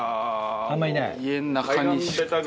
あんまいない？